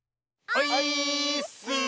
オイーッス！